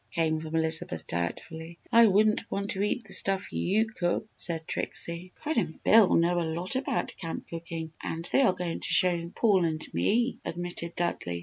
came from Elizabeth, doubtfully. "I wouldn't want to eat the stuff you cook!" said Trixie. "Fred and Bill know a lot about camp cooking and they are going to show Paul and me," admitted Dudley.